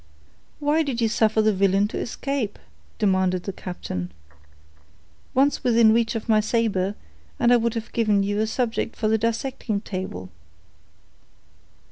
"Why did you suffer the villain to escape?" demanded the captain. "Once within reach of my saber, and I would have given you a subject for the dissecting table."